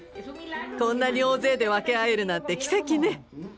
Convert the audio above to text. こんなに大勢で分け合えるなんて奇跡ね。